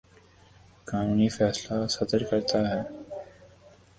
قانونی فیصلہ صادر کرتا ہے